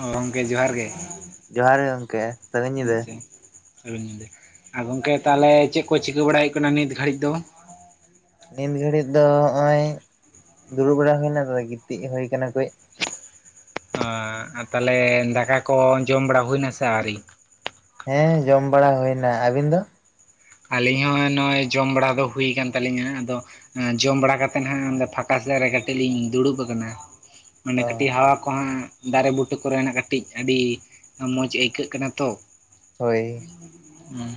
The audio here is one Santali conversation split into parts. ᱚᱸ ᱜᱚᱝᱠᱮ ᱡᱚᱦᱟᱨ ᱜᱮ ᱡᱚᱦᱟᱨ ᱜᱮ ᱜᱚᱝᱠᱮ ᱥᱟᱹᱜᱩᱱ ᱧᱤᱫᱟᱹ ᱟᱪᱪᱷᱟ ᱥᱟᱹᱜᱩᱱ ᱧᱤᱫᱟᱹ ᱟ ᱜᱚᱝᱠᱮ ᱛᱟᱦᱚᱞᱮ ᱪᱮᱫ ᱠᱚ ᱪᱤᱠᱟᱹ ᱵᱟᱲᱟᱭ ᱦᱩᱭᱩᱜ ᱠᱟᱱᱟ ᱱᱤᱛ ᱜᱷᱟᱹᱲᱤᱡ ᱫᱚ? ᱱᱤᱛ ᱜᱷᱟᱹᱲᱤᱡ ᱫᱚ ᱦᱚᱸᱜᱼᱚᱭ ᱫᱩᱲᱩᱵ ᱵᱟᱲᱟ ᱦᱩᱭᱱᱟ ᱛᱚ ᱜᱤᱛᱤᱡ ᱦᱩᱭ ᱠᱟᱱᱟ ᱠᱟᱹᱡ᱾ ᱟᱸ ᱟᱸᱜ ᱛᱟᱦᱚᱞᱮ ᱫᱟᱠᱟ ᱠᱚ ᱡᱚᱢ ᱵᱟᱲᱟ ᱦᱩᱭᱱᱟ ᱥᱮ ᱟᱹᱣᱨᱤ ᱦᱮᱸ ᱡᱚᱢ ᱵᱟᱲᱟ ᱦᱩᱭᱱᱟ ᱟᱹᱵᱤᱱ ᱫᱚ ᱟᱹᱞᱤᱧ ᱦᱚᱸ ᱱᱚᱜᱼᱚᱭ ᱡᱚᱢ ᱵᱟᱲᱟ ᱫᱚ ᱦᱩᱭ ᱟᱠᱟᱱ ᱛᱟᱹᱞᱤᱧᱟ ᱟᱫᱚ ᱦᱮᱸ ᱡᱚᱢ ᱵᱟᱲᱟ ᱠᱟᱛᱮᱫ ᱦᱟᱸᱜ ᱯᱷᱟᱸᱠᱟ ᱥᱮᱜ ᱨᱮᱜᱮ ᱠᱟᱹᱴᱤᱡ ᱞᱤᱧ ᱫᱩᱲᱩᱵ ᱟᱠᱟᱱᱟ᱾ ᱢᱟᱱᱮ ᱚ ᱠᱟᱹᱴᱤᱡ ᱦᱟᱣᱟ ᱠᱚᱦᱟᱸᱜ ᱫᱟᱨᱮ ᱵᱩᱴᱟᱹ ᱠᱚᱨᱮᱱᱟᱜ ᱠᱟᱹᱴᱤᱡ ᱟᱹᱰᱤ ᱢᱚᱡᱽ ᱟᱹᱭᱠᱟᱹᱜ ᱠᱟᱱᱟ ᱛᱚ᱾ ᱦᱳᱭ ᱦᱩᱸ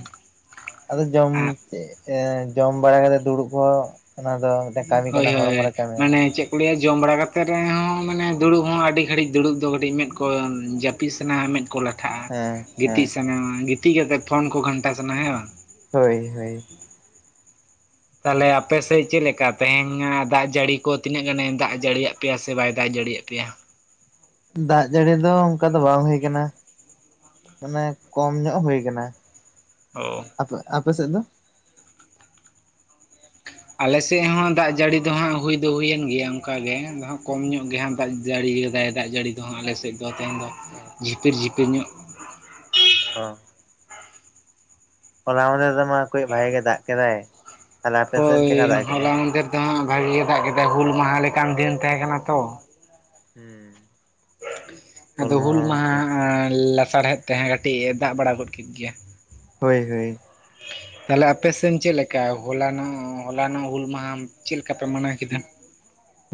ᱟᱫᱚ ᱡᱚᱢ ᱪᱮ ᱮ ᱡᱚᱢ ᱵᱟᱲᱟ ᱠᱟᱛᱮᱜ ᱫᱩᱲᱩᱵ ᱠᱚᱦᱚᱸ ᱚᱱᱟ ᱫᱚ᱾ ᱢᱤᱫᱴᱟᱝ ᱠᱟᱹᱢᱤ ᱦᱳᱭ ᱠᱟᱱᱟ ᱦᱳᱭ ᱦᱚᱲᱢᱚ ᱨᱮ ᱠᱟᱹᱢᱤ ᱢᱮ᱾ ᱢᱟᱱᱮ ᱪᱮᱜᱼᱼ ᱠᱩᱲᱤᱭᱟᱜ ᱡᱚᱢ ᱵᱟᱲᱟ ᱠᱟᱛᱮᱫ ᱨᱮᱦᱚᱸ ᱢᱟᱱᱮ ᱫᱩᱲᱩᱵ ᱦᱚᱸ ᱟᱹᱰᱤ ᱜᱷᱟᱹᱲᱤᱡ ᱫᱩᱲᱩᱵ ᱫᱚ ᱠᱟᱹᱴᱤᱡ ᱢᱮᱫ ᱠᱚ ᱡᱟᱹᱯᱤᱫ ᱥᱟᱱᱟ ᱢᱮᱸᱫ ᱠᱚ ᱞᱟᱼᱼ ᱴᱷᱟᱜᱼᱟ ᱦᱮᱸ ᱜᱤᱛᱤᱡ ᱦᱮᱸ ᱥᱟᱱᱟᱢᱟ ᱜᱤᱛᱤᱡ ᱠᱟᱛᱮᱫ ᱯᱷᱳᱱ ᱠᱚ ᱜᱷᱟᱱᱴᱟ ᱥᱟᱱᱟ ᱦᱮᱸ ᱥᱮ ᱵᱟᱝ? ᱦᱳᱭ ᱦᱳᱭ ᱛᱟᱞᱦᱮ ᱟᱯᱮ ᱥᱮᱫ ᱪᱮᱫ ᱞᱮᱠᱟ ᱛᱮᱦᱮ ᱧᱟᱜ ᱫᱟᱜ ᱡᱟᱹᱲᱤ ᱠᱚ ᱛᱤᱱᱟᱹᱜ ᱜᱟᱱᱮ ᱫᱟᱜ ᱡᱟᱹᱲᱤᱭᱟᱜ ᱯᱮᱭᱟ ᱥᱮ ᱵᱟᱭ ᱫᱟᱜ ᱡᱟᱹᱲᱤᱭᱟᱜ ᱯᱮᱭᱟ? ᱫᱟᱜ ᱡᱟᱹᱲᱤ ᱫᱚ ᱚᱝᱠᱟ ᱫᱚ ᱵᱟᱝ ᱦᱳᱭ ᱠᱟᱱᱟ, ᱾ ᱢᱟᱱᱮ, ᱠᱚᱢ ᱧᱚᱜ ᱦᱳᱭ ᱠᱟᱱᱟ ᱾ ᱚᱻᱳ ᱟᱯᱮ, ᱟᱯᱮ ᱥᱮᱫ ᱫᱚ? ᱟᱞᱮᱥᱮᱫ ᱦᱚᱸ ᱫᱟᱜ ᱡᱟᱹᱲᱤ ᱫᱚ ᱦᱟᱸᱜ ᱦᱩᱭ ᱫᱚ ᱦᱩᱭᱮᱱ ᱜᱮᱭᱟ ᱚᱱᱠᱟ ᱜᱮ ᱦᱟ'ᱜ ᱠᱚᱢ ᱧᱚᱜ ᱜᱮ ᱦᱟᱸᱜ ᱫᱟᱜᱼᱼ ᱡᱟᱹᱲᱤ ᱜᱮ ᱫᱟᱭ ᱫᱟᱜ ᱡᱟᱹᱲᱤ ᱫᱚ ᱦᱟᱸᱜ ᱟᱞᱮᱥᱮᱫ ᱫᱚ ᱛᱟᱭᱚᱢ ᱫᱚ ᱡᱷᱤᱯᱤᱨ ᱡᱷᱤᱯᱤᱨ ᱧᱚᱜ ᱾ ᱚ ᱦᱚᱞᱟ ᱢᱟᱫᱷᱮᱨ ᱫᱚ ᱢᱟ ᱠᱳᱭ ᱵᱷᱟᱜᱮᱹ ᱜᱮ ᱫᱟᱜ ᱠᱮᱫᱟᱭ ᱾ ᱦᱳᱭ, ᱦᱚᱞᱟ ᱢᱟᱫᱷᱮᱨ ᱫᱚ ᱦᱟᱸᱜ ᱵᱷᱟᱜᱮ ᱜᱮ ᱫᱟᱜ ᱠᱮᱫᱟᱭ ᱦᱩᱞ ᱢᱟᱦᱟ ᱞᱮᱠᱟᱱ ᱫᱤᱱ ᱛᱟᱦᱮᱸ ᱠᱟᱱᱟ ᱛᱚ ᱾ ᱦᱠᱺ ᱾ ᱵᱷᱳᱜ, ᱟᱫᱚ ᱦᱩᱞ ᱢᱟᱦᱟᱸ ᱞᱟᱥᱟᱲᱦᱮᱫ ᱛᱮ ᱦᱚᱸ ᱠᱟᱹᱴᱤᱡ ᱮ ᱫᱟᱜ ᱵᱟᱲᱟ ᱜᱚᱫ ᱠᱮᱫ ᱜᱮᱭᱟ ᱾ ᱦᱳᱭ- ᱦᱳᱭ ᱾ [unintelligible] ᱛᱟᱞᱦᱮ ᱟᱯᱮᱥᱮᱫ ᱪᱮᱫ ᱞᱮᱠᱟ ᱦᱚᱞᱟᱱᱚᱜ, ᱦᱚᱞᱟᱱᱚᱜ ᱦᱩᱞ ᱢᱟᱦᱟᱸ ᱪᱮᱫ ᱞᱮᱠᱟ ᱯᱮ ᱢᱟᱱᱟᱣ ᱠᱮᱫᱟ?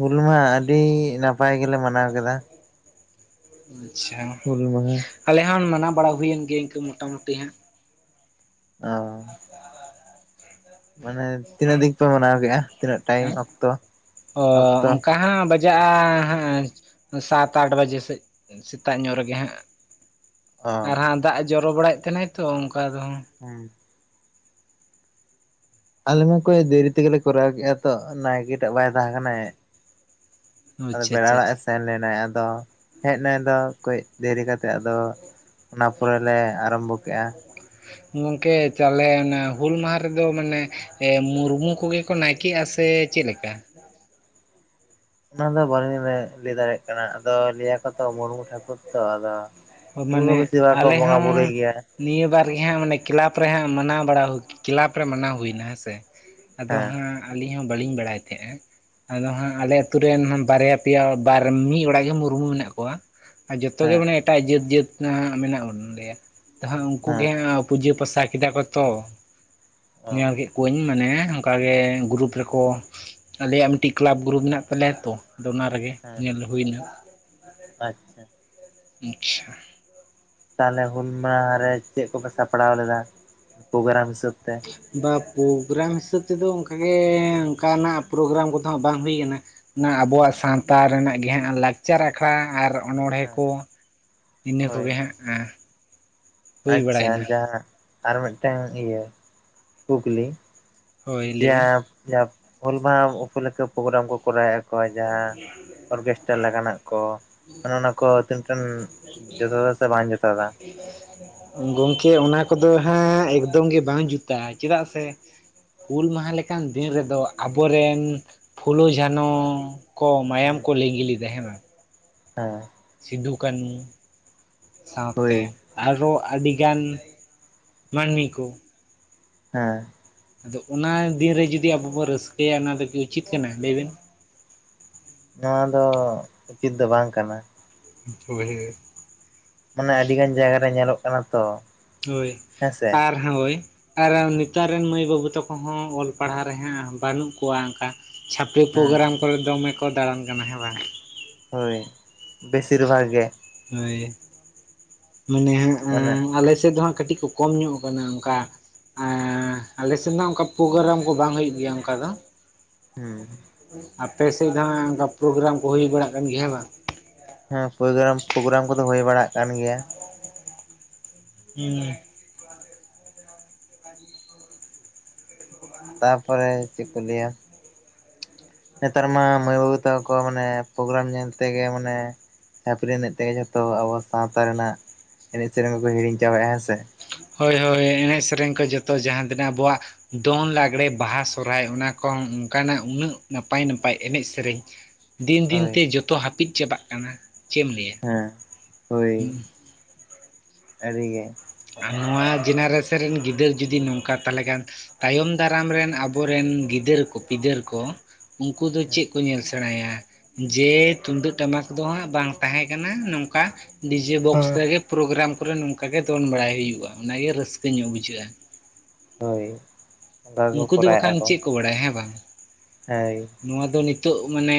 ᱦᱚᱞᱟ ᱟᱹᱰᱤ ᱱᱟᱯᱟᱭ ᱜᱮᱞᱮ ᱢᱟᱱᱟᱣ ᱠᱮᱫᱟ ᱾ ᱟᱪ-ᱪᱷᱟ, ᱦᱩᱞ ᱢᱟᱦᱟ ᱟᱞᱮ ᱦᱚᱸ ᱢᱟᱱᱟᱣ ᱵᱟᱲᱟ ᱦᱩᱭᱮᱱ ᱜᱮᱭᱟ ᱤᱱᱠᱟᱹ ᱢᱚᱴᱟᱢᱩᱴᱤ ᱦᱟᱸᱜ ᱾ ᱚᱸ ᱾ ᱢᱟᱱᱮ ᱛᱤᱱᱟᱹᱜ ᱫᱤᱱ ᱯᱮ ᱢᱟᱱᱟᱣ ᱠᱮᱜᱼᱟ ᱛᱤᱱᱟᱹᱜ ᱴᱟᱹᱭᱤᱢ ᱚᱠᱛᱚ, ᱚᱠᱛᱚ? ᱦᱟᱸ -ᱦᱟᱸ ᱵᱟᱹᱜ ᱡᱟ ᱻᱻᱦᱟᱸᱜ ᱥᱟᱛ, ᱟᱴ ᱵᱟᱡᱮ ᱥᱮᱫ ᱥᱮᱛᱟᱜ ᱧᱚᱜ ᱨᱮᱜᱮ ᱦᱟᱸᱜ ᱾ ᱚ ᱟᱨ ᱦᱟᱸᱜ ᱫᱟᱜ ᱮ ᱡᱚᱨᱚ ᱵᱟᱲᱟᱭᱮᱫ ᱛᱟᱦᱮᱱᱟᱭ ᱛᱚ ᱚᱝᱠᱟ ᱫᱚ ᱾ ᱦᱩᱸ ᱾ ᱟᱞᱮ ᱢᱟᱠᱚᱭ ᱫᱮᱨᱤ ᱛᱮᱜᱮᱞᱮ ᱠᱚᱨᱟᱣ ᱠᱮᱜᱼᱟ ᱛᱚ ᱱᱟᱭᱠᱮ ᱴᱟᱜ ᱵᱟᱭ ᱛᱟᱦᱮᱸ ᱠᱟᱱᱟᱭ ᱾ ᱟᱫᱚ, ᱟᱪᱪᱷᱟ ᱟᱪᱪᱷᱟ ᱯᱮᱲᱟ ᱚᱲᱟᱜᱼ ᱮ ᱟᱪᱪᱷᱟ ᱥᱮᱱ ᱞᱮᱱᱟᱭ ᱟᱫᱚ ᱦᱮᱡ ᱱᱟᱭ ᱟᱫᱚ ᱠᱟᱹᱡ ᱫᱮᱨᱤ ᱠᱟᱛᱮᱜ ᱟᱫᱚ ᱚᱱᱟ ᱯᱚᱨᱮ ᱞᱮ ᱟᱨᱚᱢᱵᱷᱚ ᱠᱮᱜᱼᱟ ᱾ ᱥᱚᱣ-ᱟᱜ ᱾ ᱜᱚᱝᱠᱮ ᱛᱟᱞᱦᱮ ᱚᱱᱟ ᱦᱩᱞ ᱢᱟᱦᱟ ᱨᱮᱫᱚ ᱢᱟᱱᱮ ᱢᱩᱨᱢᱩ ᱠᱚᱜᱮ ᱠᱚ ᱱᱟᱭᱠᱮᱜᱼᱟ ᱥᱮ ᱪᱮᱫ ᱞᱮᱠᱟ? ᱚᱱᱟ ᱫᱚ ᱵᱟᱞᱤᱧ ᱞᱟᱹᱭ ᱫᱟᱲᱮᱭᱟᱜ ᱠᱟᱱᱟ ᱟᱫᱚ ᱞᱟᱹᱭᱟᱠᱚ ᱛᱚ ᱢᱩᱨᱢᱩ ᱴᱷᱟᱟᱹᱠᱩᱨ ᱛᱚ, ᱟᱫᱚ ᱢᱩᱨᱢᱩ ᱢᱟᱱᱮ ᱵᱮᱥᱤᱨ ᱵᱷᱟᱜᱽ ᱠᱚ ᱟᱞᱮ ᱵᱚᱸᱜᱟ ᱦᱚᱸ ᱵᱩᱨᱩᱭ ᱜᱮᱭᱟ ᱾ ᱱᱤᱭᱟᱹ ᱵᱟᱨ ᱜᱮ ᱦᱟᱸᱜ ᱢᱟᱱᱮ ᱠᱞᱟᱯ ᱨᱮ ᱦᱟᱸᱜ ᱢᱟᱱᱟᱣ ᱵᱟᱲᱟ ᱦᱩᱭ ᱠᱮᱞᱟᱵᱽ ᱨᱮ ᱢᱟᱱᱟᱣ ᱦᱩᱭᱱᱟ ᱦᱮᱸ ᱥᱮ ᱾ ᱟᱫᱚ ᱦᱮᱸ ᱦᱟᱸᱜ ᱟᱹᱞᱤᱧ ᱦᱚᱸ ᱵᱟᱞᱤᱧ ᱵᱟᱲᱟᱭ ᱛᱟᱦᱮᱸᱜᱼᱟ ᱟᱫᱚ ᱦᱟᱸᱜ ᱟᱞᱮ ᱟᱛᱩᱨ ᱨᱮᱱ ᱵᱟᱨᱭᱟ ᱯᱮᱭᱟ ᱵᱟᱨ ᱢᱤᱫ ᱚᱲᱟᱜ ᱜᱮ ᱢᱩᱨᱢᱩ ᱢᱮᱱᱟᱜ ᱠᱚᱣᱟ ᱟᱨ ᱡᱚᱛᱚ ᱜᱮ ᱦᱮᱸ ᱢᱟᱱᱮ ᱮᱴᱟᱜ ᱡᱟᱹᱛ ᱡᱟᱹᱛ ᱢᱮᱱᱟᱜ ᱵᱚᱱᱞᱮᱭᱟ ᱦᱟᱸᱜ, ᱩᱱᱠᱩ ᱦᱮᱸ ᱜᱮ ᱦᱟᱸᱜ ᱯᱩᱡᱟᱹ ᱯᱟᱥᱟ ᱠᱮᱫᱟ ᱠᱚ ᱛᱚ, ᱚ ᱧᱮᱞ ᱠᱮᱫ ᱠᱩᱧ ᱢᱟᱱᱮ ᱚᱱᱠᱟᱜ ᱜᱮ ᱜᱨᱩᱯ ᱨᱮᱠᱚ ᱥᱩᱠ ᱾ ᱟᱞᱮᱭᱟᱜ ᱢᱤᱫᱴᱤᱡ ᱠᱮᱞᱟᱯ ᱜᱨᱩᱨᱩᱯ ᱢᱮᱱᱟᱜ ᱛᱟᱞᱮᱭᱟ ᱛᱚ ᱟᱫᱚ ᱚᱱᱟ ᱨᱮᱜᱮ ᱦᱮᱸ ᱧᱮᱞ ᱦᱩᱭᱮᱱᱟ ᱾ ᱟᱪ-ᱪᱷᱟ ᱾ ᱟᱸᱪ-ᱪᱷᱟ ᱾ ᱛᱟᱞᱦᱮ ᱦᱩᱞᱢ ᱢᱟᱸᱦ ᱨᱮ ᱪᱮᱫ ᱠᱚᱯᱮ ᱥᱟᱯᱲᱟᱣ ᱞᱮᱫᱟ ᱯᱨᱳᱜᱨᱟᱢ ᱦᱤᱥᱟᱹᱵ ᱛᱮ? ᱵᱟ ᱯᱨᱳᱜᱨᱟᱢ ᱦᱤᱥᱟᱹᱵ ᱛᱮᱫᱚ ᱚᱱᱠᱟᱜᱮ ᱚᱱᱠᱟᱱᱟᱜ ᱯᱨᱳᱜᱨᱟᱢ ᱠᱚᱫᱚ ᱦᱟᱸᱜ ᱵᱟᱝ ᱦᱳᱭ ᱠᱟᱱᱟ ᱾ ᱚᱱᱟ ᱟᱵᱚᱣᱟᱜ ᱥᱟᱶᱛᱟ ᱨᱮᱱᱟᱜ ᱜᱮ ᱞᱟᱠᱪᱟᱨ ᱟᱠᱷᱲᱟ ᱟᱨ ᱚᱱᱚᱬᱦᱮ ᱦᱮᱸ ᱠᱚ ᱤᱱᱟᱹ ᱦᱳᱭ ᱠᱚᱜᱮ ᱦᱟᱸᱜ, ᱦᱮᱸ ᱾ ᱟᱪᱪᱷᱟ ᱡᱟᱦᱟᱸ ᱟᱨ ᱢᱤᱫᱴᱟᱝ ᱤᱭᱟᱹ ᱠᱩᱠᱞᱤ? ᱦᱳᱭ ᱡ ᱞᱟᱹᱭᱵᱮᱱ ᱦᱚᱞ ᱢᱟᱦ ᱩᱯᱚᱞᱮᱠ ᱯᱨᱳᱜᱨᱟᱢ ᱠᱚ ᱠᱚᱨᱟᱣᱮᱫ᱾ ᱠᱚ ᱡᱟᱦᱟᱸ ᱚᱨᱜᱮᱥᱴᱨᱟ ᱞᱮᱠᱟ ᱞᱮᱠᱟᱱᱟᱜ ᱠᱚᱼᱼ ᱚᱱᱮ ᱚᱱᱟ ᱠᱚ ᱛ ᱴᱮᱱ ᱡᱚᱛᱚᱟ ᱥᱮ ᱵᱟᱝ ᱡᱚᱛᱚᱫᱟ? [unintelligible] ᱜᱚᱢᱠᱮ ᱚᱱᱟ ᱠᱚᱫᱚ ᱦᱟᱸᱜ ᱮᱠᱫᱚᱢ ᱜᱮ ᱵᱟᱝ ᱡᱩᱛᱟᱹᱜᱼᱟ ᱪᱮᱫᱟᱜ ᱥᱮᱼᱼ ᱦᱩᱞ ᱢᱟᱦᱟ ᱞᱮᱠᱟᱱ ᱫᱤᱱ ᱨᱮᱫᱚ ᱟᱵᱚᱨᱮᱱ ᱯᱷᱩᱞᱳ ᱡᱷᱟᱱᱚᱼᱼ ᱠᱚ ᱢᱟᱭᱟᱢ ᱠᱚ ᱞᱤᱜᱤ ᱞᱮᱫᱟ ᱦᱮᱸᱵᱟᱝ ᱦᱮᱸ ᱥᱤᱫᱩ ᱠᱟᱹᱱᱩ ᱦᱳᱭ ᱥᱟᱶᱛᱮ ᱟᱨᱚ ᱟᱹᱰᱤ ᱜᱟᱱ ᱢᱟᱹᱱᱢᱤ ᱠᱚᱼᱼ ᱦᱮᱸ ᱟᱫᱚ ᱚᱱᱟ ᱫᱤᱱ ᱨᱮ ᱡᱩᱫᱤ ᱟᱵᱚ ᱵᱚᱱ ᱨᱟᱹᱥᱠᱟᱹᱭᱟ ᱚᱱᱟ ᱫᱚ ᱠᱤ ᱩᱪᱤᱛ ᱠᱟᱱᱟ ᱞᱟᱹᱭᱵᱮᱱ? ᱱᱚᱣᱟ ᱫᱚ ᱩᱪᱤᱛ ᱫᱚ ᱵᱟᱝ ᱠᱟᱱᱟ᱾ ᱦᱳᱭ ᱢᱟᱱᱮ ᱟᱹᱰᱤ ᱜᱟᱱ ᱡᱟᱭᱜᱟ ᱨᱮ ᱧᱮᱞᱚᱜ ᱠᱟᱱᱟ ᱛᱚ ᱦᱳᱭ ᱦᱮᱸᱥᱮ ᱟᱨ ᱦᱳᱭ ᱟᱨ ᱱᱮᱛᱟᱨ ᱨᱮᱱ ᱢᱟᱹᱭ ᱵᱟᱹᱵᱩ ᱛᱟᱠᱚ ᱦᱚᱸ ᱚᱞ ᱯᱟᱲᱦᱟᱣ ᱨᱮᱦᱟᱸᱜ ᱵᱟᱹᱱᱩᱜ ᱠᱚᱣᱟ ᱚᱱᱠᱟ᱾ ᱪᱷᱟᱯᱤ ᱦᱮᱸ ᱯᱨᱳᱜᱨᱟᱢ ᱠᱚᱨᱮ ᱫᱚᱢᱮ ᱠᱚ ᱫᱟᱬᱟᱱ ᱠᱟᱱᱟ ᱦᱮᱸ ᱵᱟᱝ? ᱦᱳᱭ ᱵᱮᱥᱤᱨ ᱵᱷᱟᱜᱽ ᱜᱮ ᱦᱳᱭ ᱢᱟᱱᱮ ᱦᱟᱸᱜ ᱚᱱᱮ ᱟᱞᱮ ᱥᱮᱫ ᱫᱚ ᱦᱟᱸᱜ ᱠᱟᱹᱴᱤᱡ ᱠᱚ ᱠᱚᱢ ᱧᱚᱜ ᱟᱠᱟᱱᱟ ᱚᱱᱠᱟ᱾ ᱟᱞᱮᱮᱥᱮᱫ ᱫᱚ ᱚᱱᱠᱟ ᱯᱨᱳᱜᱨᱟᱢ ᱠᱚ ᱵᱟᱝ ᱦᱩᱭᱩᱜ ᱜᱮᱭᱟ ᱚᱱᱠᱟ ᱫᱚ᱾ ᱦᱮᱸ ᱟᱯᱮ ᱥᱮᱫ ᱫᱚᱦᱜ ᱚᱱᱠᱟ ᱯᱨᱳᱜᱨᱟᱢ ᱠᱚ ᱦᱩᱭ ᱵᱟᱲᱟᱜ ᱠᱟᱱ ᱜᱮᱭᱟ ᱦᱮᱸ ᱵᱟᱝ? ᱦᱮᱸ ᱯᱨᱳᱜᱨᱟᱢ ᱯᱨᱳᱜᱨᱟᱢ ᱠᱚᱫᱚ ᱦᱩᱭ ᱵᱟᱲᱟᱜ ᱠᱟᱱ ᱜᱮᱭᱟ᱾ ᱦᱮᱸᱻ ᱦᱮ [unintelligible] ᱛᱟᱯᱚᱨᱮ ᱪᱮᱫ ᱠᱚ ᱞᱟᱹᱭᱟ? ᱱᱮᱛᱟᱨ ᱢᱟ ᱢᱟᱹᱭ ᱵᱟᱹᱵᱩ ᱛᱟᱠᱚᱠᱚ ᱢᱟᱱᱮ ᱯᱨᱳᱨᱟᱢ ᱧᱮᱞ ᱛᱮᱜᱮ ᱢᱟᱱᱮᱼᱼ ᱪᱟᱹᱯᱨᱤ ᱮᱱᱮᱡ ᱛᱮᱜᱮ ᱡᱷᱚᱛᱚ ᱟᱵᱚ ᱥᱟᱶᱛᱟ ᱨᱮᱱᱟᱜ ᱮᱱᱮᱡ ᱥᱮᱨᱮᱧ ᱠᱚᱠᱚ ᱦᱤᱲᱤᱧ ᱪᱟᱵᱟᱭᱼᱟ ᱦᱮᱸ ᱥᱮ? ᱦᱳᱭ ᱦᱳᱭ ᱮᱱᱮᱡ ᱥᱮᱨᱮᱧ ᱠᱚ ᱡᱚᱛᱚ ᱡᱟᱦᱟᱸ ᱛᱤᱱᱟᱹᱜ ᱟᱵᱚᱣᱟᱜᱼᱼ ᱫᱚᱝ ᱞᱟᱜᱽᱲᱮ ᱵᱟᱦᱟ ᱥᱚᱦᱨᱟᱭ ᱚᱱᱟ ᱠᱚ ᱦᱚᱸ ᱚᱝᱠᱟᱱᱟᱜ ᱩᱱᱟᱹᱜ ᱱᱟᱯᱟᱭ ᱱᱟᱯᱟᱭ ᱮᱱᱮᱡ ᱥᱮᱨᱮᱧᱼᱼ ᱫᱤᱱ ᱫᱤᱱ ᱦᱳᱭ ᱛᱮ ᱡᱚᱛᱚ ᱦᱟᱹᱯᱤᱫ ᱪᱟᱵᱟᱜ ᱠᱟᱱᱟ᱾ ᱪᱮᱫ ᱮᱢ ᱞᱟᱹᱭᱟ ᱦᱮᱸ ᱦᱳᱭ ᱟᱹᱨᱤ ᱜᱮ᱾ ᱟᱨ ᱱᱚᱣᱟ ᱡᱮᱱᱟᱨᱮᱥᱮᱱ ᱜᱤᱫᱟᱹᱨ ᱡᱩᱫᱤ ᱱᱚᱝᱠᱟ ᱛᱟᱦᱞᱮ ᱠᱷᱟᱱᱼᱼ ᱛᱟᱭᱚᱢ ᱫᱟᱨᱟᱢ ᱨᱮᱱ ᱟᱵᱚ ᱨᱮᱱ ᱜᱤᱫᱟᱹᱨ ᱠᱚ ᱯᱤᱫᱟᱹᱨ ᱠᱚ ᱩᱱᱠᱩ ᱫᱚ ᱦᱮᱸ ᱪᱮᱜ ᱠᱚ ᱧᱮᱞ ᱥᱟᱼᱼ ᱥᱮᱲᱟᱭᱟ ᱡᱮ ᱛᱩᱱᱫᱟᱹᱜ ᱴᱟᱢᱟᱠ ᱫᱚ ᱦᱟᱸᱜ ᱵᱟᱝ ᱛᱟᱦᱮᱸ ᱠᱟᱱᱟ ᱱᱚᱝᱠᱟ᱾ ᱰᱤᱡᱮ ᱵᱚᱠᱥ ᱦᱮᱸ ᱨᱮ ᱜᱮ ᱯᱨᱳᱜᱨᱟᱢ ᱠᱚ ᱨᱮ ᱱᱚᱝᱠᱟ ᱜᱮ ᱫᱚᱱ ᱵᱟᱲᱟᱭ ᱦᱩᱭᱩᱜᱼᱟ ᱚᱱᱟᱜ ᱜᱮ ᱨᱟᱹᱥᱠᱟᱹ ᱧᱚᱜ ᱵᱩᱡᱷᱟᱹᱜᱼᱟ ᱦᱳᱭ ᱚᱱᱠᱟ ᱜᱮᱠᱚ ᱩᱝᱠᱩ ᱫᱚ ᱵᱟᱠᱷᱟᱱ ᱪᱮᱫ ᱠᱚ ᱵᱟᱲᱟᱭᱟ ᱦᱮᱸ ᱵᱟᱝ? ᱦᱚᱭ ᱱᱚᱣᱟ ᱫᱚ ᱱᱤᱛᱳᱜ ᱢᱟᱱᱮᱼᱼ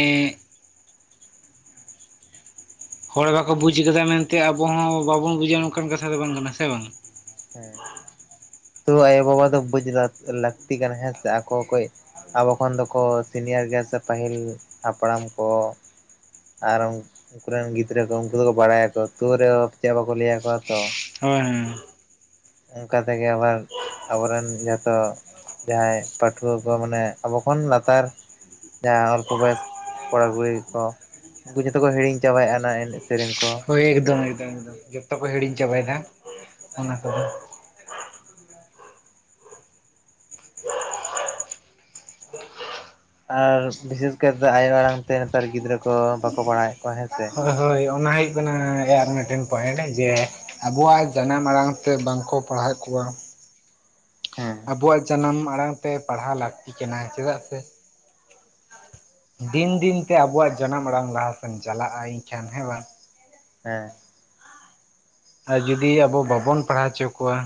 ᱦᱚᱲ ᱵᱟᱠᱚ ᱵᱩᱡ ᱠᱟᱫᱟ ᱢᱮᱱᱛᱮ ᱟᱵᱚ ᱦᱚᱸ ᱵᱟᱵᱚᱱ ᱵᱩᱡᱟ ᱱᱚᱝᱠᱟᱱ ᱠᱟᱛᱷᱟ ᱫᱚ ᱵᱟᱝ ᱠᱟᱱᱟ ᱥᱮ ᱵᱟᱝ? [unintelligible] ᱛᱳ ᱟᱭᱚ-ᱵᱟᱵᱟ ᱫᱚ ᱵᱩᱡ ᱞᱟᱹᱠ ᱞᱟᱹᱠᱛᱤ ᱠᱟᱱᱟ ᱦᱮᱸ ᱥᱮ ᱟᱠᱚ ᱚᱠᱚᱭ ᱟᱵᱚ ᱠᱷᱚᱱ ᱫᱚ ᱠᱚ ᱥᱤᱱᱤᱭᱟᱨ ᱜᱮᱭᱟ ᱥᱮ ᱯᱟᱹᱦᱤᱞ ᱦᱟᱯᱲᱟᱢ ᱠᱚ ᱟᱨ ᱩᱝᱠᱩ ᱨᱮᱱ ᱜᱤᱫᱽᱨᱟᱹ ᱠᱚ ᱩᱝᱠᱩ ᱫᱚ ᱠᱚ ᱵᱟᱲᱟᱭᱟ ᱠᱚ ᱛᱩᱨᱮ ᱦᱚᱸ ᱪᱮᱜ ᱦᱚᱸ ᱵᱟᱠᱚ ᱞᱟᱹᱭᱟ ᱠᱚᱣᱟ ᱛᱚ᱾ ᱦᱳᱭ ᱦᱮᱸ ᱚᱝᱠᱟ ᱛᱮᱜᱮ ᱟᱵᱟᱨ ᱟᱵᱚ ᱨᱮᱱ ᱡᱚᱛᱚ ᱡᱟᱦᱟᱸᱭ ᱯᱟᱹᱴᱷᱩᱣᱟᱹ ᱠᱚ ᱢᱟᱱᱮ ᱟᱵᱚ ᱠᱷᱚᱱ ᱞᱟᱛᱟᱨ ᱡᱟᱦᱟᱸ ᱚᱞᱯᱚ ᱵᱚᱭᱮᱥ ᱠᱚᱲᱟ ᱠᱩᱲᱤ ᱠᱚ ᱩᱝᱠᱩ ᱡᱚᱛᱚ ᱠᱚ ᱦᱤᱲᱤᱧ ᱪᱟᱵᱟᱭᱮᱜᱼᱟ ᱟᱱᱟ ᱮᱱᱮᱡ ᱥᱮᱨᱮᱧ ᱠᱚ᱾ ᱮᱠᱫᱚᱢ ᱮᱠᱫᱚᱢ ᱮᱫᱚᱢ ᱡᱚᱛᱚ ᱠᱚ ᱦᱤᱲᱤᱧ ᱪᱟᱵᱟᱭᱫᱟ ᱚᱱᱟ ᱠᱚᱜᱮ᱾ [inaudible] ᱟᱨ ᱵᱤᱥᱮᱥ ᱠᱟᱭᱛᱮ ᱟᱭᱚ ᱟᱲᱟᱝ ᱛᱮ ᱱᱮᱛᱟᱨ ᱜᱤᱫᱽᱨᱟᱹ ᱠᱚ ᱵᱟᱠᱚ ᱯᱟᱲᱦᱟᱣᱮᱫ ᱠᱚᱣᱟ ᱦᱮᱸ ᱥᱮ ᱦᱳᱭ ᱦᱳᱭ ᱚᱱᱟ ᱦᱩᱭᱩᱜ ᱠᱟᱱᱟ ᱟᱨ ᱢᱤᱫᱴᱮᱱ ᱯᱚᱭᱮᱱᱴ ᱡᱮ ᱟᱵᱚᱣᱟᱜ ᱡᱟᱱᱟᱢ ᱟᱲᱟᱝ ᱛᱮ ᱵᱟᱝ ᱠᱚ ᱯᱟᱲᱦᱟᱣᱮᱜ ᱠᱚᱣᱟ᱾ ᱦᱮᱸ ᱟᱵᱚᱣᱟᱜ ᱡᱟᱱᱟᱢ ᱟᱲᱟᱝ ᱛᱮ ᱯᱟᱲᱦᱟᱣ ᱞᱟᱹᱠᱛᱤ ᱠᱟᱱᱟ, ᱪᱮᱫᱟᱜ ᱥᱮ ᱫᱤᱱ ᱫᱤᱱ ᱛᱮ ᱟᱵᱚᱣᱟᱜ ᱡᱟᱱᱟᱢ ᱟᱲᱟᱝ ᱞᱟᱦᱟ ᱥᱮᱱ ᱪᱟᱞᱟᱜᱼᱟ, ᱤᱧᱠᱷᱟᱱ ᱦᱮᱸ ᱵᱟᱝ᱾ ᱦᱮᱸ ᱟᱨ ᱡᱩᱫᱤ ᱟᱵᱚ ᱵᱟᱵᱚᱱ ᱯᱟᱲᱦᱟᱣ ᱚᱪᱚ ᱠᱚᱣᱟ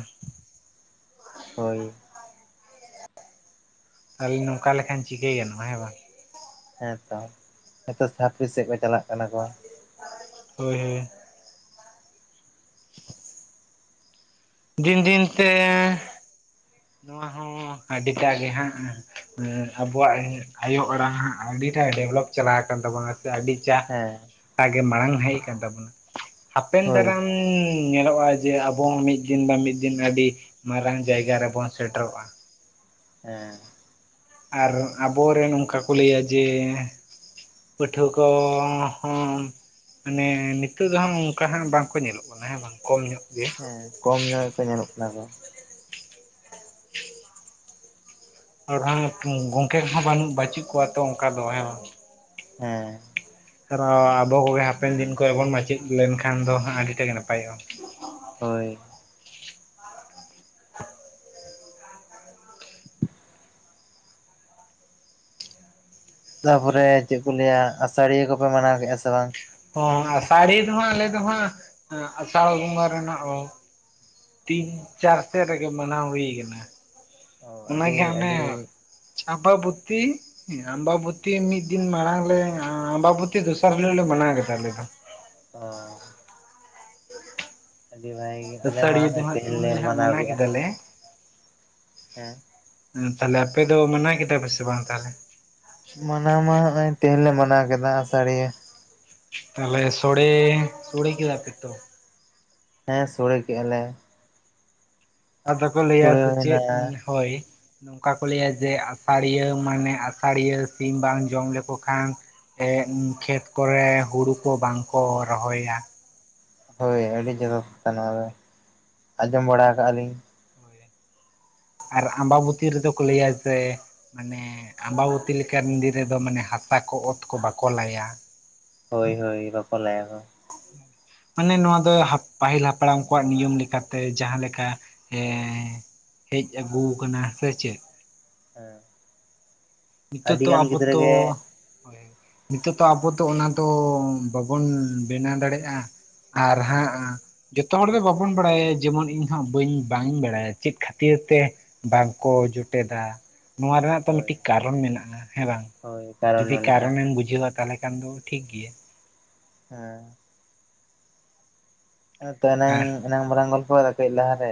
ᱦᱳᱭ ᱟᱞᱤᱧ ᱱᱚᱝᱠᱟ ᱞᱮᱠᱷᱟᱱ ᱪᱤᱠᱟᱹᱭ ᱜᱟᱱᱚᱜᱼᱟ ᱦᱮᱸ ᱵᱟᱝ᱾ ᱦᱮᱸ ᱛᱚ ᱱᱤᱛᱚᱜ ᱪᱷᱟᱯᱨᱤ ᱥᱮᱜ ᱠᱚ ᱪᱟᱞᱟᱜ ᱠᱟᱱᱟ ᱠᱚ᱾ ᱦᱳᱭ ᱦᱳᱭ [inaudible] ᱫᱤᱱ ᱫᱤᱱ ᱛᱮ ᱱᱚᱣᱟ ᱦᱚᱸ ᱟᱹᱰᱤ ᱴᱟᱜ ᱜᱮ ᱦᱟᱸᱜ ᱚᱸ ᱟᱵᱚᱣᱟᱜ ᱟᱭᱳ ᱟᱲᱟᱝ ᱦᱟᱸᱜ ᱟᱹᱰᱤ ᱴᱟᱜ ᱰᱮᱵᱷᱞᱚᱯ ᱪᱟᱞᱟᱣ ᱠᱟᱱ ᱛᱟᱵᱚᱱᱟ ᱥᱮ ᱟᱹᱰᱤ ᱪᱟᱦ ᱦᱮᱸ ᱟᱜᱮ ᱢᱟᱲᱟᱝ ᱦᱮᱡ ᱠᱟᱱ ᱛᱟᱵᱚᱱᱟ ᱦᱟᱯᱮᱱ ᱦᱳᱭ ᱫᱟᱨᱟᱢ ᱩᱸ ᱧᱮᱞᱚᱜᱼᱟ ᱡᱮ ᱟᱵᱚ ᱦᱚᱸ ᱢᱤᱜ ᱫᱤᱱ ᱵᱟᱝ ᱢᱤᱫ ᱫᱤᱱ ᱟᱹᱰᱤ ᱢᱟᱨᱟᱝ ᱡᱟᱭᱜᱟ ᱨᱮᱵᱚᱱ ᱥᱮᱴᱮᱨᱚᱜᱼᱟ᱾ ᱦᱮᱸ ᱟᱨ ᱟᱵᱚ ᱨᱮᱱ ᱚᱝᱠᱟ ᱠᱚ ᱞᱟᱹᱭᱟ ᱡᱮ ᱯᱟᱹᱴᱷᱣᱟᱹ ᱠᱚ ᱦᱚᱸ ᱢᱟᱱᱮ ᱱᱤᱛᱟᱹᱜ ᱫᱚ ᱦᱟᱸᱜ ᱚᱝᱠᱟ ᱦᱟᱸᱜ ᱵᱟᱝ ᱠᱚ ᱧᱮᱞᱚᱜ ᱠᱟᱱᱟ ᱦᱮᱸ ᱵᱟᱝ ᱠᱚᱢ ᱧᱚᱜ ᱜᱮ᱾ ᱦᱮᱸ ᱠᱚᱢ ᱧᱚᱜ ᱠᱚ ᱧᱮᱞᱚᱜ ᱠᱟᱱᱟ ᱠᱚ᱾ ᱟᱨ ᱦᱚᱸᱜᱼᱚ ᱜᱚᱝᱠᱮ ᱠᱚ ᱦᱚᱸ ᱵᱟᱹᱱᱩᱜ ᱵᱟᱹᱪᱩᱜ ᱠᱚᱣᱟ ᱛᱚ ᱚᱝᱠᱟ ᱫᱚ ᱦᱮᱸ ᱵᱟᱝ᱾ ᱦᱮᱸ ᱟᱨᱚ ᱟᱵᱚ ᱠᱚᱜᱮ ᱦᱟᱯᱮᱱ ᱫᱤᱱ ᱠᱚᱨᱮ ᱵᱚᱱ ᱢᱟᱪᱮᱫ ᱞᱮᱱᱠᱷᱟᱱ ᱫᱚ ᱦᱟᱸᱜ ᱟᱹᱰᱤ ᱴᱟᱜ ᱜᱮ ᱱᱟᱯᱟᱭᱚᱜᱼᱟ᱾ ᱦᱳᱭ [inaudible] ᱛᱟᱯᱚᱨᱮ ᱪᱮᱜ ᱠᱚ ᱞᱟᱹᱭᱟ ᱟᱥᱟᱲᱤᱭᱟᱹ ᱠᱚᱯᱮ ᱢᱟᱱᱟᱣ ᱠᱮᱜᱼᱟ ᱥᱮ ᱵᱟᱝ? ᱦᱚᱸ ᱟᱥᱟᱲᱤ ᱫᱚ ᱦᱟᱸᱜ ᱟᱞᱮ ᱫᱚ ᱦᱟᱸᱜ ᱟᱥᱟᱲ ᱵᱚᱸᱜᱟ ᱨᱮᱱᱟᱜ ᱚᱸ ᱛᱤᱱ ᱪᱟᱨ ᱥᱮᱜ ᱨᱮᱜᱮ ᱢᱟᱱᱟᱣ ᱦᱩᱭ ᱠᱟᱱᱟ᱾ ᱚ ᱟᱹᱰᱤ ᱚᱱᱟᱜᱮ ᱦᱚᱴᱟᱸᱜ ᱚᱱᱮ ᱟᱹᱰᱤ ᱟᱢᱵᱟᱵᱚᱛᱤ ᱟᱢᱵᱟᱵᱩᱛᱤ ᱢᱤᱫ ᱫᱤᱱ ᱢᱟᱲᱟᱝ ᱞᱮ ᱟᱢᱵᱟᱵᱩᱛᱤ ᱫᱚᱥᱟᱨ ᱦᱤᱞᱟᱹᱜ ᱞᱮ ᱢᱟᱱᱟᱣ ᱠᱮᱫᱟ ᱟᱞᱮ ᱫᱚ᱾ ᱚ ᱟᱹᱰᱤ ᱵᱷᱟᱜᱮ ᱜᱮ ᱟᱞᱮ ᱢᱟ ᱟᱥᱟᱲᱤᱭᱟᱹ ᱫᱚ ᱦᱚᱸᱜᱼᱚᱭ ᱦᱟᱸᱜ ᱛᱮᱦᱮᱧ ᱩᱱ ᱞᱮ ᱞᱮᱦᱟᱸᱜ ᱦᱟᱸᱜ ᱢᱟᱱᱟᱣ ᱠᱮᱫᱼᱟ ᱠᱮᱫᱟᱞᱮ ᱦᱮᱸ ᱛᱟᱦᱚᱞᱮ ᱟᱯᱮ ᱫᱚ ᱢᱟᱱᱟᱣ ᱠᱮᱫᱟ ᱯᱮᱥᱮ ᱵᱟᱝ ᱛᱟᱦᱚᱞᱮ? ᱢᱟᱱᱟᱣ ᱢᱟ ᱱᱚᱜ ᱚᱭ ᱛᱮᱦᱮᱧ ᱞᱮ ᱢᱟᱱᱟᱣ ᱠᱮᱫᱟ ᱟᱥᱟᱲᱤᱭᱟᱹ᱾ ᱛᱟᱦᱚᱞᱮ ᱥᱳᱲᱮ ᱥᱳᱲᱮ ᱠᱮᱫᱟᱯᱮ ᱛᱚ? ᱦᱮᱸ ᱥᱳᱲᱮ ᱠᱮᱜ ᱟᱞᱮ ᱟᱫᱚ ᱠᱚ ᱞᱟᱹᱭᱟ ᱥᱳᱲᱮ ᱥᱮ ᱦᱩᱭᱱᱟ ᱪᱮᱫ ᱦᱳᱭᱼᱼ ᱱᱚᱝᱠᱟ ᱠᱚ ᱞᱟᱹᱭᱟ ᱡᱮ ᱟᱥᱟᱲᱤᱭᱟᱹ ᱢᱟᱱᱮ ᱟᱥᱟᱲᱤᱭᱟᱹ ᱥᱤᱢ ᱵᱟᱝ ᱡᱚᱢ ᱞᱮᱠᱚ ᱠᱷᱟᱱᱼᱼ ᱠᱷᱮᱛ ᱠᱚᱨᱮ ᱦᱩᱲᱩ ᱠᱚ ᱵᱟᱝ ᱠᱚ ᱨᱚᱦᱚᱭᱟ᱾ ᱦᱳᱭ ᱟᱹᱰᱤ ᱪᱚᱨᱚᱠ ᱠᱟᱛᱷᱟ ᱱᱚᱣᱟ ᱫᱚ ᱟᱸᱡᱚᱢ ᱵᱟᱲᱟ ᱠᱟᱜ ᱟᱞᱤᱧ ᱟᱨ ᱟᱢᱵᱟᱵᱚᱛᱤ ᱨᱮᱫᱚ ᱠᱚ ᱞᱟᱹᱭᱟ ᱡᱮᱼᱼ ᱢᱟᱱᱮ ᱟᱢᱵᱟᱵᱚᱛᱤ ᱞᱮᱠᱟᱱ ᱫᱤᱱ ᱨᱮᱫᱚ ᱢᱟᱱᱮ ᱦᱟᱛᱟ ᱠᱚ ᱚᱛ ᱠᱚ ᱵᱟᱠᱚ ᱞᱟᱭᱟ᱾ ᱦᱳᱭ ᱦᱳᱭ ᱵᱟᱠᱚ ᱞᱟᱭᱟ ᱠᱚ᱾ ᱢᱟᱱᱮ ᱱᱚᱣᱟ ᱫᱚ ᱯᱟᱹᱦᱤᱞ ᱦᱟᱯᱲᱟᱢ ᱠᱚᱣᱟᱜ ᱱᱤᱭᱚᱢ ᱞᱮᱠᱟᱛᱮ ᱡᱟᱦᱟᱸᱞᱮᱠᱟ᱾ ᱮᱻ ᱦᱳᱭ ᱦᱮᱡ ᱟᱹᱜᱩᱠᱟᱱᱟ ᱥᱮ ᱪᱮᱫ? ᱦᱮᱸ ᱱᱤᱛᱳᱜ ᱟᱹᱰᱤ ᱛᱚ ᱜᱟᱱ ᱟᱵᱚ ᱜᱤᱫᱽᱨᱟᱹ ᱛᱚᱼᱼ ᱜᱮ ᱱᱤᱛᱚᱜ ᱫᱚ ᱟᱵᱚ ᱫᱚ ᱚᱱᱟ ᱫᱚ ᱵᱟᱵᱚᱱ ᱵᱮᱱᱟᱣ ᱫᱟᱲᱮᱭᱟᱜᱼᱟ ᱟᱨ ᱦᱮᱸ ᱦᱟᱸᱜ ᱡᱚᱛᱚ ᱦᱚᱲ ᱫᱚ ᱵᱟᱵᱚᱱ ᱵᱟᱲᱟᱭᱟ ᱡᱮᱢᱚᱱ ᱤᱧᱦᱚᱸ ᱵᱟᱹᱧ ᱵᱟᱝ ᱤᱧ ᱵᱟᱲᱟᱭᱟ ᱪᱮᱫ ᱠᱷᱟᱹᱛᱤᱨ ᱛᱮᱼᱼ ᱵᱟᱝᱠᱚ ᱡᱚᱴᱮᱫᱟ᱾ ᱱᱚᱣᱟ ᱨᱮᱱᱟᱜ ᱛᱚ ᱦᱳᱭ ᱢᱤᱫᱴᱤᱡ ᱠᱟᱨᱚᱱ ᱢᱮᱱᱟᱜᱼᱟ ᱦᱮᱸ ᱵᱟᱝ ᱦᱳᱭ ᱠᱟᱨᱚᱱ ᱡᱩᱫᱤ ᱢᱮᱱᱟᱜᱼᱟ ᱠᱟᱨᱚᱱᱮᱢ ᱵᱩᱡᱷᱟᱹᱣᱟ ᱛᱟᱦᱚᱞᱮ ᱠᱷᱟᱱ ᱫᱚ ᱴᱷᱤᱠ ᱜᱮᱭᱟ ᱦᱮᱸᱻ ᱦᱮᱸ ᱛᱚ ᱮᱱᱟᱝ ᱮᱱᱟᱝ ᱵᱟᱞᱟᱝ ᱜᱚᱞᱯᱚᱭᱟᱫᱟ ᱠᱟᱹᱡ ᱞᱟᱦᱟ ᱨᱮ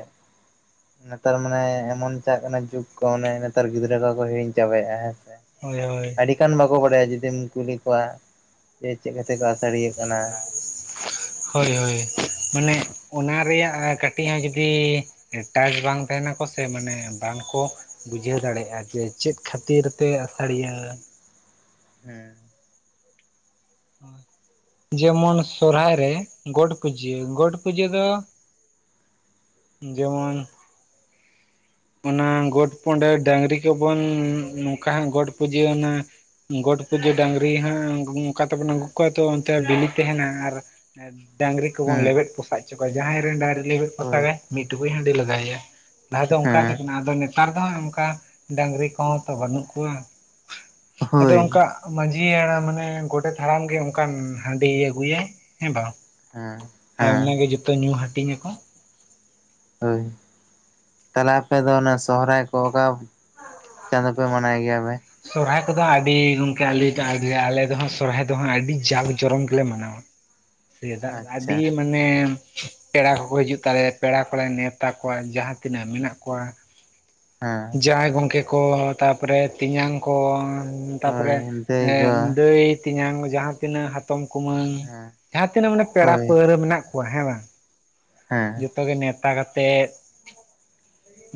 ᱱᱮᱛᱟᱨ ᱢᱟᱱᱮ ᱮᱢᱚᱱ ᱪᱟᱜ ᱠᱟᱱᱟ ᱡᱩᱜᱽ ᱠᱚ ᱚᱱᱮ ᱱᱮᱛᱟᱨ ᱜᱤᱫᱽᱨᱟᱹ ᱠᱚᱠᱚ ᱦᱤᱲᱤᱧ ᱪᱟᱵᱟᱭᱼᱟ ᱦᱮᱸᱥᱮ ᱦᱳᱭ ᱦᱳᱭ, ᱟᱹᱰᱤ ᱜᱟᱱ ᱵᱟᱠᱚ ᱵᱟᱲᱟᱭᱟ ᱡᱩᱫᱤᱢ ᱠᱩᱞᱤ ᱠᱚᱣᱟ ᱡᱮ ᱪᱮᱫ ᱠᱟᱛᱮ ᱠᱚ ᱟᱥᱟᱲᱤᱭᱟᱹᱜ ᱠᱟᱱᱟ᱾ ᱦᱳᱭ ᱦᱳᱭ ᱢᱟᱱᱮ ᱚᱱᱟ ᱨᱮᱭᱟᱜ ᱠᱟᱹᱴᱤᱡ ᱦᱚᱸ ᱡᱩᱫᱤᱼᱼ ᱴᱟᱪ ᱵᱟᱝ ᱛᱟᱦᱮᱱᱟᱠᱚ ᱥᱮ ᱢᱟᱱᱮ ᱵᱟᱝ ᱠᱚᱼᱼ ᱵᱩᱡᱷᱟᱹᱣ ᱫᱟᱲᱮᱭᱟᱜᱼᱟ ᱡᱮ ᱪᱮᱫ ᱠᱷᱟᱹᱛᱤᱨ ᱛᱮ ᱟᱥᱟᱲᱤᱭᱟᱹᱼᱼ ᱦᱮᱸ ᱦᱳᱭ ᱡᱮᱢᱚᱱ ᱥᱚᱨᱦᱟᱭ ᱨᱮ ᱜᱚᱴ ᱯᱩᱡᱟᱹ ᱜᱚᱴ ᱯᱩᱡᱟᱹ ᱫᱚᱼᱼ ᱡᱮᱢᱚᱱᱼᱼ ᱚᱱᱟ ᱜᱚᱴ ᱯᱩᱰᱮ ᱰᱟᱝᱨᱤ ᱠᱚᱵᱚᱱ ᱱᱚᱝᱠᱟ ᱦᱟᱸᱜ ᱜᱚᱴ ᱯᱩᱡᱟᱹ ᱚᱱᱟ᱾ ᱜᱚᱴ ᱯᱩᱡᱟᱹ ᱰᱟᱝᱨᱤ ᱦᱟᱸ ᱚᱱᱠᱟ ᱛᱮᱵᱚᱱ ᱟᱹᱜᱩ ᱠᱚᱣᱟ ᱛᱚ ᱚᱱᱛᱮ ᱵᱤᱞᱤ ᱛᱟᱦᱮᱱᱟ ᱟᱨᱼᱼ ᱰᱟᱝᱨᱤ ᱠᱚᱵᱚᱱ ᱦᱮᱸ ᱞᱮᱵᱮᱫ ᱯᱚᱥᱟ ᱦᱚᱪᱚ ᱠᱚᱣᱟ ᱡᱟᱦᱟᱸᱭ ᱨᱮᱱ ᱰᱟᱭᱝᱨᱤ ᱞᱮᱵᱮᱫ ᱦᱳᱭ ᱯᱚᱥᱟᱜᱟᱭ᱾ ᱢᱤᱫ ᱴᱩᱠᱩᱡ ᱦᱟᱺᱰᱤ ᱞᱟᱜᱟᱣᱟᱭᱟ ᱞᱟᱦᱟ ᱫᱚᱼᱼ ᱦᱮᱸ ᱟᱫᱚ ᱱᱮᱛᱟᱨ ᱫᱚ ᱦᱟᱸᱜ ᱚᱱᱠᱟ ᱰᱟᱝᱨᱤ ᱠᱚᱦᱚᱸ ᱛᱚ ᱵᱟᱹᱱᱩᱜ ᱠᱚᱣᱟ ᱟᱫᱚ ᱦᱳᱭ ᱚᱱᱠᱟᱼᱼ ᱢᱟᱹᱡᱷᱤ ᱦᱟᱲᱟᱢ ᱢᱟᱱᱮ ᱜᱚᱰᱮᱛ ᱦᱟᱲᱟᱢ ᱜᱮ ᱚᱱᱠᱟᱱ ᱦᱟᱺᱰᱤ ᱟᱹᱜᱩᱭᱟᱭ ᱦᱮᱸ ᱵᱟᱝ ᱦᱮᱸ ᱟᱨ ᱦᱮᱸ ᱚᱱᱟᱜᱮ ᱡᱚᱛᱚ ᱧᱩ ᱦᱟᱹᱴᱤᱧ ᱟᱠᱚ᱾ ᱦᱳᱭ ᱛᱟᱦᱚᱞᱮ ᱟᱯᱮ ᱫᱚ ᱚᱱᱟ ᱥᱚᱦᱚᱨᱟᱭ ᱠᱚ ᱚᱠᱟ ᱪᱟᱸᱫᱳ ᱯᱮ ᱢᱟᱱᱟᱭ ᱜᱮᱭᱟ ᱯᱮ? ᱥᱚᱨᱦᱟᱭ ᱠᱚᱫᱚ ᱟᱹᱰᱤ ᱜᱝᱢᱠᱮ ᱟᱞᱤ ᱟᱞᱮ ᱫᱚ ᱥᱚᱨᱦᱟᱭ ᱫᱚᱦ ᱟᱹᱰᱤ ᱡᱟᱸᱠ ᱡᱚᱨᱚᱢ ᱜᱮᱞᱮ ᱢᱟᱱᱟᱣᱟ᱾ ᱥᱮᱴᱟ ᱟᱪᱪᱷᱟ ᱟᱹᱰᱤᱢᱼᱼ ᱢᱟᱱᱮ ᱯᱮᱲᱟ ᱠᱚᱠᱚ ᱦᱤᱡᱩᱜ ᱛᱟᱞᱮᱭᱟ ᱯᱮᱲᱟ ᱠᱚᱞᱮ ᱱᱮᱣᱛᱟ ᱠᱚᱣᱟ ᱡᱟᱦᱟᱸ ᱛᱤᱱᱟᱹᱜ ᱢᱮᱱᱟᱜ ᱠᱚᱣᱟ᱾ ᱦᱮᱸ ᱡᱟᱭᱟᱭ ᱜᱚᱝᱠᱮ ᱠᱚ ᱛᱟᱯᱚᱨᱮ ᱛᱮᱧᱟᱝ ᱠᱚ᱾ ᱛᱟᱯᱚᱨᱮ ᱦᱳᱭ ᱮ ᱫᱟᱹᱭ ᱜᱚ ᱫᱟᱹᱭ ᱛᱮᱧᱟᱝ ᱡᱟᱦᱟᱸ ᱛᱤᱱᱟᱹᱜ ᱦᱟᱼᱼ ᱯᱚᱛᱚᱢ ᱠᱩᱢᱟᱹᱝ ᱦᱮᱸ ᱡᱟᱦᱟᱸ ᱛᱤᱱᱟᱹᱜ ᱢᱟᱱᱮ ᱯᱮᱲᱟ ᱦᱳᱭ ᱯᱟᱹᱲᱦᱟᱹ ᱢᱮᱱᱟᱜ ᱠᱚᱣᱟ ᱦᱮᱸ ᱵᱟᱝ ᱦᱮᱸ ᱾ ᱡᱚᱛᱚ ᱜᱮ ᱱᱮᱶᱛᱟ ᱠᱟᱛᱮ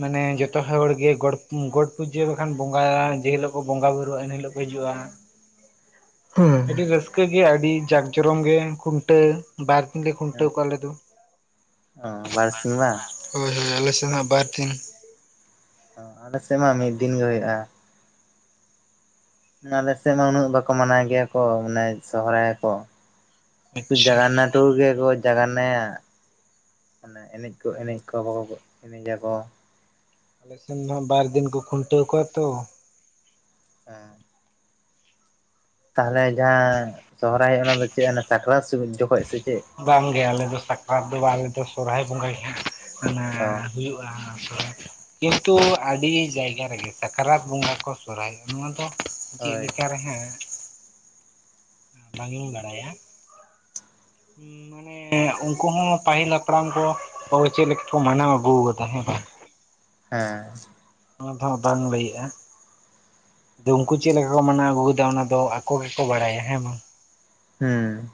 ᱢᱟᱱᱮ ᱡᱚᱛᱚᱼᱼ ᱡᱷᱚᱛᱚ ᱦᱚᱲ ᱜᱮ ᱜᱚᱴ ᱜᱚᱴ ᱯᱩᱡᱟᱹ ᱵᱟᱠᱷᱟᱱ ᱵᱚᱸᱜᱟ ᱡᱚᱛᱚ ᱦᱚᱲ ᱜᱮ ᱜᱚᱴ ᱜᱚᱴ ᱯᱩᱡᱟᱹ ᱵᱟᱝᱠᱟᱱ ᱵᱚᱸᱜᱟ ᱭᱟᱭ ᱡᱮ ᱦᱤᱞᱳᱜ ᱠᱚ ᱵᱚᱸᱜᱟ ᱵᱩᱨᱩᱜ-ᱟ ᱤᱱᱟᱹ ᱦᱤᱞᱳᱜ ᱠᱚ ᱦᱤᱡᱩᱜ-ᱟ ᱾ ᱟᱹᱰᱤ ᱨᱟᱹᱥᱠᱟᱹ ᱜᱮ ᱟᱹᱰᱤ ᱡᱟᱠ ᱡᱚᱨᱚᱢ ᱜᱮ ᱠᱷᱩᱱᱴᱟᱹᱣᱼᱼ ᱵᱟᱨ ᱫᱤᱱ ᱞᱮ ᱦᱮᱸ ᱠᱷᱩᱱᱴᱟᱣ ᱠᱚᱭᱟ ᱟᱞᱮ ᱫᱚ ᱾ ᱚ ᱵᱟᱨᱥᱤᱧ ᱵᱟᱝ ᱦᱳᱭ ᱦᱳᱭ ᱟᱞᱮ ᱥᱮᱫ ᱦᱚᱸ ᱵᱟᱨ ᱫᱤᱱ ᱾ ᱟᱞᱮ ᱥᱮᱫ ᱢᱟ ᱢᱤᱫ ᱫᱤᱱ ᱜᱮ ᱦᱩᱭᱩᱜ-ᱟ ᱾ ᱟᱞᱮᱥᱮᱫ ᱢᱟ ᱩᱱᱟᱹᱜ ᱵᱟᱠᱚ ᱢᱟᱱᱟᱣ ᱜᱮᱭᱟ ᱠᱚ ᱢᱟᱱᱮ ᱥᱚᱦᱚᱨᱟᱭ ᱠᱚ ᱾ ᱥᱩᱫ ᱟᱪᱪᱷᱟ ᱡᱟᱜᱟᱱᱟ ᱴᱩᱠᱩ ᱜᱮ ᱜᱚᱡᱼᱼ ᱡᱟᱜᱟᱱᱟᱭᱟ ᱮ ᱮᱱᱮᱡ ᱠᱚ ᱮᱱᱮᱡ ᱠᱚ ᱵᱟᱠᱚ ᱮᱱᱮᱡᱟ ᱠᱚ ᱾ ᱟᱞᱮᱥᱮᱫ ᱢᱟ ᱵᱟᱨ ᱫᱤᱱ ᱠᱚ ᱠᱷᱩᱱᱴᱟᱹᱣ ᱠᱚᱣᱟ ᱛᱚ ᱾ ᱦᱮᱸ ᱛᱟᱦᱮᱞᱮ ᱡᱟᱦᱟᱸ ᱥᱚᱦᱚᱨᱟᱭ ᱦᱩᱭᱩᱜ ᱚᱱᱟ ᱫᱚ ᱪᱮᱫ ᱥᱟᱠᱨᱟᱛ ᱡᱚᱠᱷᱚᱡ ᱥᱮ ᱪᱮᱫ? ᱵᱟᱝ ᱜᱮ ᱟᱞᱮ ᱫᱚ ᱥᱟᱠᱨᱟᱛ ᱫᱚ ᱵᱟᱝ ᱟᱞᱮ ᱫᱚ ᱥᱚᱦᱚᱨᱟᱭ ᱵᱚᱸᱜᱟ ᱜᱮ ᱦᱟᱸᱜᱼᱼ ᱚ ᱦᱩᱭᱩᱜ-ᱟ, ᱠᱤᱱᱛᱩ ᱟᱹᱰᱤ ᱡᱟᱭᱜᱟ ᱨᱮᱜᱮ ᱥᱟᱠᱨᱟᱛ ᱵᱚᱸᱜᱟ ᱠᱚᱼᱼ ᱯᱨᱮᱭ ᱱᱚᱣᱟ ᱫᱚ ᱪᱮᱫ ᱦᱳᱭ ᱞᱮᱠᱟᱨᱮ ᱦᱟᱸᱜᱼᱼ ᱵᱟᱝ ᱤᱧ ᱵᱟᱲᱟᱭᱟ ᱾ ᱢᱟᱱᱮ ᱩᱱᱠᱩ ᱦᱚᱸ ᱯᱟᱹᱦᱤᱞ ᱞᱚᱠᱼᱼ ᱦᱟᱯᱲᱟᱢ ᱠᱚ ᱪᱮᱫ ᱞᱮᱠᱟ ᱠᱚ ᱢᱟᱱᱟᱣ ᱟᱹᱜᱩ ᱟᱠᱟᱫᱟ ᱦᱮᱸ ᱵᱟᱝ ᱾ ᱦᱮᱸ ᱚᱱᱟ ᱫᱚ ᱵᱟᱝ ᱞᱟᱹᱭᱮᱜ-ᱟ ᱾ ᱟᱫᱚ ᱩᱱᱠᱩ ᱪᱮᱫ ᱞᱮᱠᱟ ᱠᱚ ᱢᱟᱱᱟᱣ ᱟᱹᱜᱩ ᱠᱟᱫᱟ ᱚᱱᱟ ᱫᱚ ᱟᱠᱚ ᱜᱮᱠᱚ ᱵᱟᱲᱟᱭᱟ ᱦᱮᱸ ᱵᱟᱝ ᱾ ᱦᱩᱸ